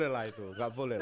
enggak boleh lah itu